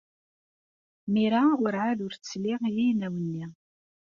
Mira werɛad ur tesli i yinaw-nni.